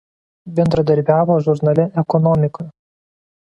Bendradarbiavo žurnale „Ekonomika“.